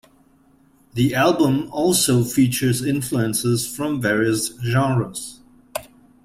The album also features influences from various genres.